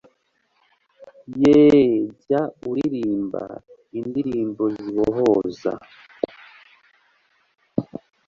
yeee jya uririmba indirimbo zibihozo